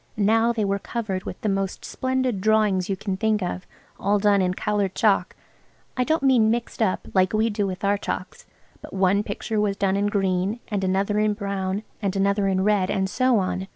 Now they were covered with the most splendid drawings you can think of, all done in coloured chalk–I don't mean mixed up, like we do with our chalks–but one picture was done in green, and another in brown, and another in red, and so on.